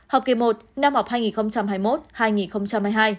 hai nghìn hai mươi một học kỳ một năm học hai nghìn hai mươi một hai nghìn hai mươi hai